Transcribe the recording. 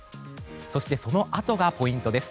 そしてそのあとがポイントです。